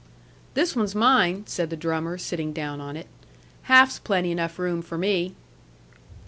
"This one's mine," said the drummer, sitting down on it. "Half's plenty enough room for me."